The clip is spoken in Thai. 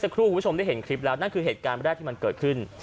ครูคุณผู้ชมได้เห็นคลิปแล้วนั่นคือเหตุการณ์แรกที่มันเกิดขึ้น